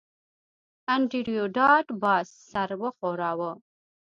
انډریو ډاټ باس سر وښوراوه